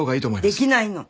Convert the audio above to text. できないの。